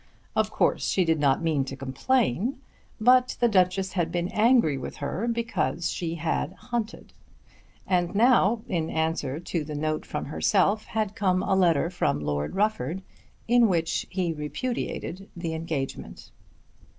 Of course she did not mean to complain, but the Duchess had been angry with her because she had hunted. And now, in answer to the note from herself, had come a letter from Lord Rufford in which he repudiated the engagement.